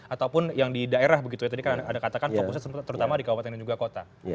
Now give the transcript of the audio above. ataupun yang di daerah begitu ya tadi kan anda katakan fokusnya terutama di kabupaten dan juga kota